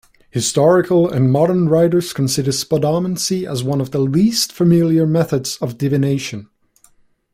Historical and modern writers consider spodomancy one of the least-familiar methods of divination.